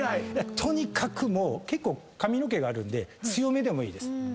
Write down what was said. とにかくもう髪の毛あるんで強めでもいいです。